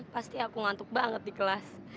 pasti aku ngantuk banget di kelas